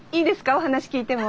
お話聞いても。